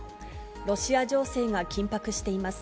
ロシア情勢が緊迫しています。